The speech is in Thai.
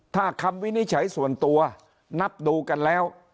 ถ้าคำวินิจฉัยส่วนตัวนับดูกันแล้ว